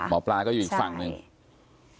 หมอปลาก็อยู่อีกฝั่งหนึ่ง